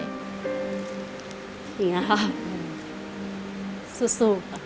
อย่างงี้ครับสู่